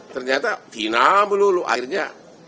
ternyata final melulu akhirnya